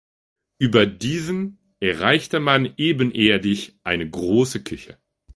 Über diesen erreichte man ebenerdig eine große Küche.